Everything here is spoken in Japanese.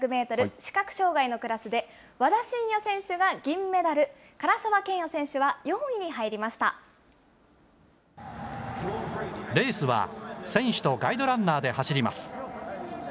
視覚障害のクラスで、和田伸也選手が銀メダル、唐澤剣也選手は４位に入レースは、選手とガイドランナーで走ります。